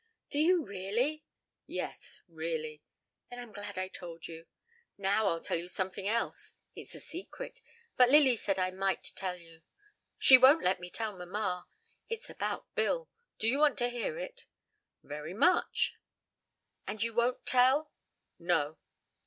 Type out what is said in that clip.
"Do you, really?" "Yes, really." "Then, I'm glad I told you. Now, I'll tell you somefing else. It's a secret, but Lily said I might tell you. She won't let me tell mamma. It's about Bill. Do you want to hear it?" "Very much." "And you won't tell?" "No."